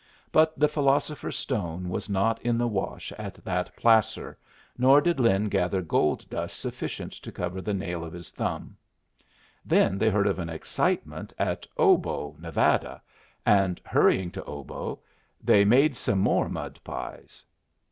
But the philosopher's stone was not in the wash at that placer, nor did Lin gather gold dust sufficient to cover the nail of his thumb. Then they heard of an excitement at Obo, Nevada, and, hurrying to Obo, they made some more mud pies.